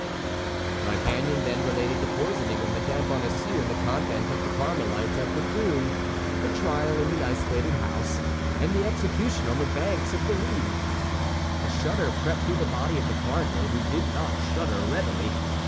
D'Artagnan then related the poisoning of Mme. Bonacieux in the convent of the Carmelites at Béthune, the trial in the isolated house, and the execution on the banks of the Lys. A shudder crept through the body of the cardinal, who did not shudder readily.